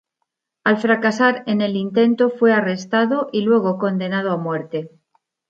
Al fracasar en el intento fue arrestado y luego condenado a muerte.